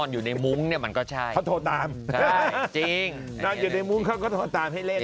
อยู่ในมุมเขาก็โทรตามให้เล่น